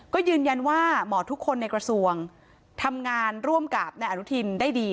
ก็ยืนยันว่าหมอทุกคนในกระทรวงทำงานร่วมกับนายอนุทินได้ดี